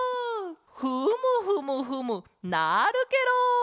フムフムフムなるケロ！